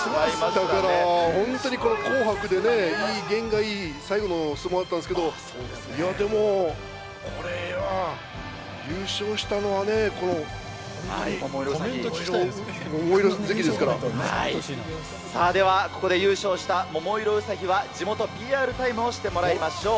紅白で験がいい、最後の相撲だったんですけど、いや、でも、これは優勝したのはさあでは、ここで優勝した桃色ウサヒは、地元ＰＲタイムをしてもらいましょう。